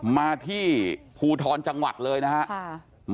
มาที่ภูทรจังหวัดเลยนะครับ